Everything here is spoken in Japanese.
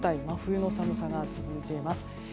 真冬の寒さが続いています。